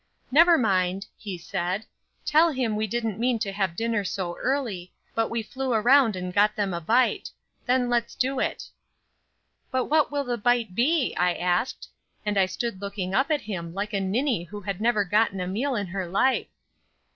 'Never mind.' he said. 'Tell him we didn't mean to have dinner so early, but we flew around and got them a bite then let's do it.' 'But what will the bite be?' I asked, and I stood looking up at him like a ninny who had never gotten a meal in her life.